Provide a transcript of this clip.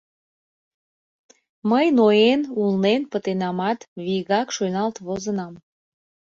Мый ноен, улнен пытенамат, вигак шуйналт возынам...